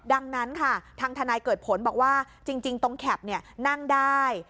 ดังนั้นค่ะทางทนายเกิดผลบอกว่าจริงตรงแคปนั่งได้